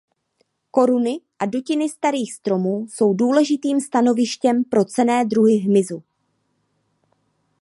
Koruny a dutiny starých stromů jsou důležitým stanovištěm pro cenné druhy hmyzu.